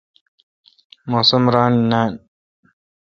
موسم ران نان۔